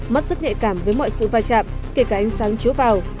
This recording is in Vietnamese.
mắt rất nhạy cảm với mọi sự vai trạm kể cả ánh sáng chiếu vào